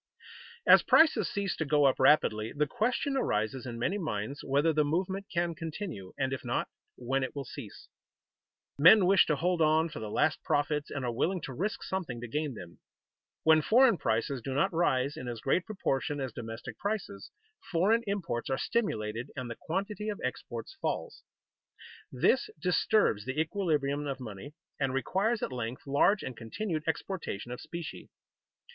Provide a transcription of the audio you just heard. _ As prices cease to go up rapidly, the question arises in many minds whether the movement can continue, and if not, when it will cease. Men wish to hold on for the last profits, and are willing to risk something to gain them. When foreign prices do not rise in as great proportion as domestic prices, foreign imports are stimulated and the quantity of exports falls. This disturbs the equilibrium of money and requires at length large and continued exportation of specie.